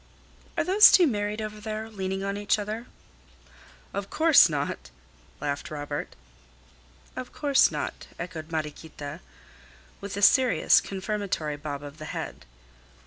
"Are those two married over there—leaning on each other?" "Of course not," laughed Robert. "Of course not," echoed Mariequita, with a serious, confirmatory bob of the head.